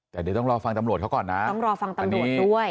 แต่เดี๋ยวต้องรอฟังตำรวจเขาก่อนนะต้องรอฟังตำรวจด้วย